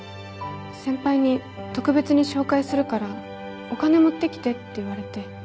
先輩に「特別に紹介するからお金持ってきて」って言われて。